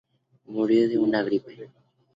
Murió de una gripe.